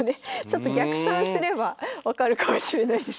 ちょっと逆算すれば分かるかもしれないですけど。